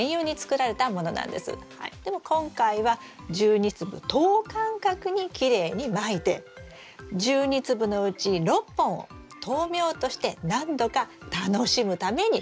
でも今回は１２粒等間隔にきれいにまいて１２粒のうち６本を豆苗として何度か楽しむために食べる。